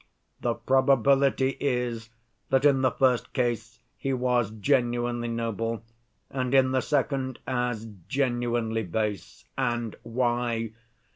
The probability is that in the first case he was genuinely noble, and in the second as genuinely base. And why?